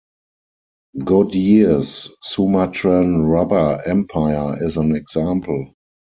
Goodyear's Sumatran rubber empire is an example.